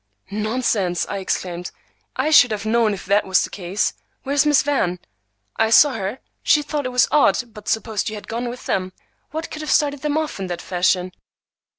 "Nonsense!" I exclaimed. "I should have known if that was the case. Where's Miss Van?" "I saw her. She thought it was odd, but supposed you had gone with them. What could have started them off in that fashion?"